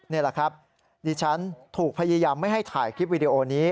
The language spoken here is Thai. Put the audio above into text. นี่แหละครับดิฉันถูกพยายามไม่ให้ถ่ายคลิปวิดีโอนี้